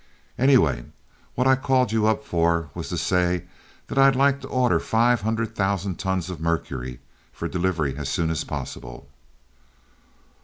"Anyway, what I called you up for was to say I'd like to order five hundred thousand tons of mercury, for delivery as soon as possible."